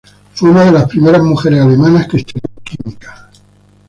Fue una de las primeras mujeres alemanas que estudió química.